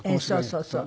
そうそうそう。